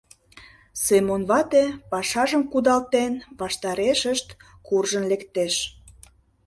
Семён вате, пашажым кудалтен, ваштарешышт куржын лектеш.